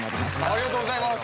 ありがとうございます。